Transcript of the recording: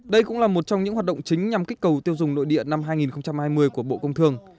đây cũng là một trong những hoạt động chính nhằm kích cầu tiêu dùng nội địa năm hai nghìn hai mươi của bộ công thương